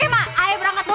oke mak ayo berangkat dulu